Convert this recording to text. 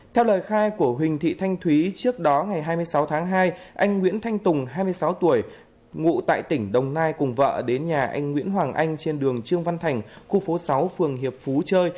theo lời khai của huỳnh thị thanh thúy trước đó ngày hai mươi sáu tháng hai anh nguyễn thanh tùng hai mươi sáu tuổi ngụ tại tỉnh đồng nai cùng vợ đến nhà anh nguyễn hoàng anh trên đường trương văn thành khu phố sáu phường hiệp phú chơi